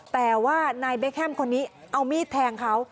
แต่ว่านายเบคแฮมคนนี้เอามีดแทงเขา